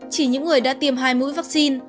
chỉ những người đã tiêm hai mũi vaccine